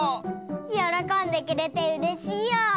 よろこんでくれてうれしいよ！